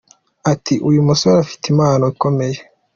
Ati” Uyu musore afite impano ikomeye.